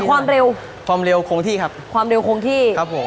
ความเร็วความเร็วคงที่ครับความเร็วคงที่ครับผม